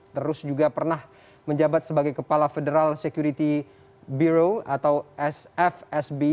terus juga pernah menjabat sebagai kepala federal security bureau atau sfsb